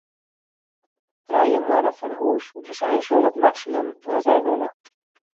Trije moanne fan hús is eins wol it maksimum wat wy wolle.